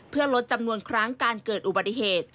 เพื่อลดจำนวนครั้งการเกิดอุบัติเหตุ